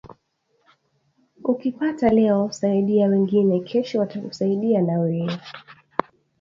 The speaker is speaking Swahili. Ukipata leo saidia wengine kesho watakusaidia na weye